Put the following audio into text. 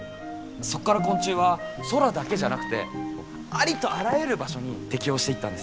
そこから昆虫は空だけじゃなくてありとあらゆる場所に適応していったんです。